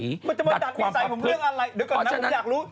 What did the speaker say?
มันจะมาจากนิสัยผมเรื่องอะไรเดี๋ยวก่อนนะผมอยากรู้